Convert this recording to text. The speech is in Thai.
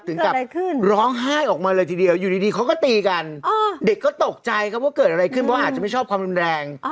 ถึงกับร้องไห้ออกมาเลยทีเดียวอยู่ดีเขาก็ตีกันเด็กก็ตกใจครับว่าเกิดอะไรขึ้นเพราะอาจจะไม่ชอบความรุนแรง